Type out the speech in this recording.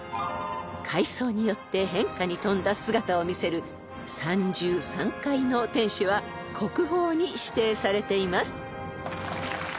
［階層によって変化に富んだ姿を見せる３重３階の天守は国宝に指定されています］